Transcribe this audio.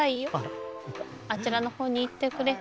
あちらの方に行っておくれ。